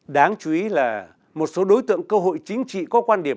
đáng chú ý là một số đối tượng công khai viết đơn kiến nghị đào tạo trực tuyến cho thành viên